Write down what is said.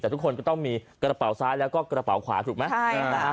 แต่ทุกคนก็ต้องมีกระเป๋าซ้ายแล้วก็กระเป๋าขวาถูกไหม